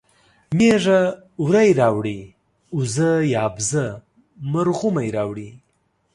مېږه وری راوړي اوزه یا بزه مرغونی راوړي